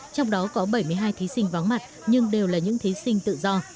trong đó có bảy mươi hai thí sinh vắng mặt nhưng đều là những thí sinh tự do